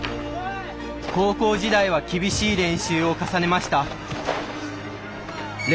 高校時代は厳しい練習を重ねました。